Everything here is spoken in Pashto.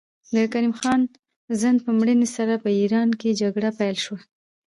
د کریم خان زند په مړینې سره په ایران کې جګړه پیل شوه.